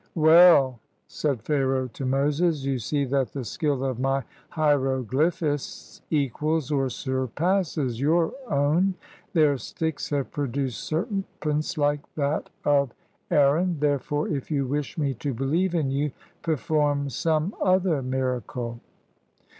"Well," said Pharaoh to Moses, "you see that the skill of my hieroglyphists equals or surpasses your own : their sticks have produced serpents like that of 141 EG\TT Aaron. Therefore, if you wish me to believe in you, perform some other miracle."